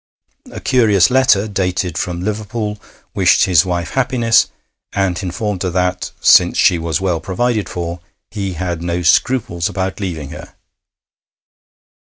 A curious letter dated from Liverpool wished his wife happiness, and informed her that, since she was well provided for, he had no scruples about leaving her.